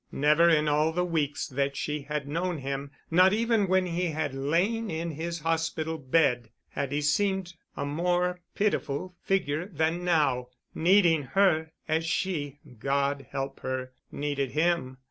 Never in all the weeks that she had known him, not even when he had lain in his hospital bed—had he seemed a more pitiful figure than now—needing her as she—God help her—needed him.